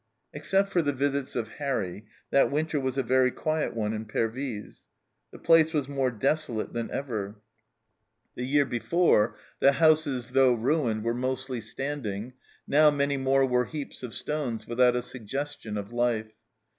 Except for the visits of " Harry," that winter was a very quiet one in Pervyse. The place was more desolate than ever. The year before, the 254 THE CELLAR HOUSE OF PERVYSE houses, though ruined, were mostly standing, now many more were heaps of stones, without a sugges tion of life.